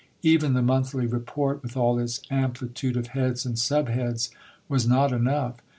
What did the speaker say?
Even the Monthly Report, with all its amplitude of heads and sub heads, was not enough.